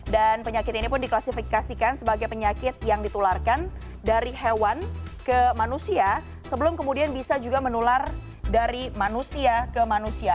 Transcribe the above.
dan penyakit ini pun diklasifikasikan sebagai penyakit yang ditularkan dari hewan ke manusia sebelum kemudian bisa juga menular dari manusia